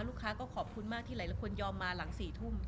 ลูกค้าก็ขอบคุณมากที่หลายคนยอมมาหลัง๔ทุ่ม